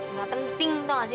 nggak penting tahu nggak sih